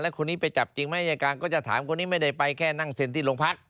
คนนี้ไปจับจริงไหมอายการก็จะถามคนนี้ไม่ได้ไปแค่นั่งเซ็นที่โรงพัก